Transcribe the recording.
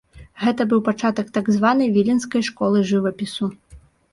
Гэта быў пачатак так званай віленскай школы жывапісу.